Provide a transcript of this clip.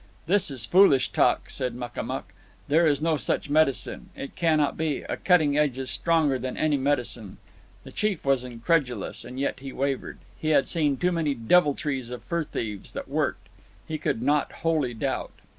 "This is foolish talk," said Makamuk. "There is no such medicine. It cannot be. A cutting edge is stronger than any medicine." The chief was incredulous, and yet he wavered. He had seen too many deviltries of fur thieves that worked. He could not wholly doubt.